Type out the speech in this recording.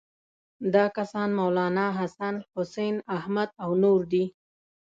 دا کسان مولناحسن، حسین احمد او نور دي.